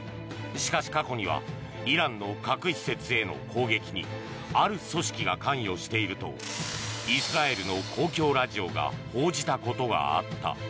しかし、過去にはイランの核施設への攻撃にある組織が関与しているとイスラエルの公共ラジオが報じたことがあった。